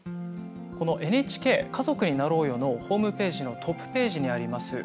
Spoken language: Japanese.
このＮＨＫ「家族になろうよ」のホームページのトップページにあります